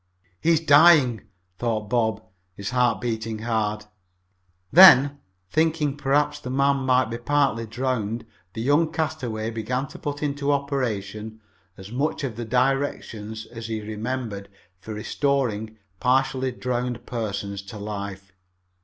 "He's dying!" thought Bob, his heart beating hard. Then, thinking perhaps the man might be partly drowned, the young castaway began to put into operation as much of the directions as he remembered for restoring partially drowned persons to life.